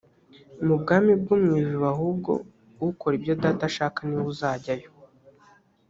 mu bwami bwo mu ijuru ahubwo ukora ibyo data ashaka niwe uzajyayo